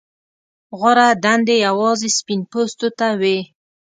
غوره دندې یوازې سپین پوستو ته وې.